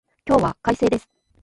今日は快晴です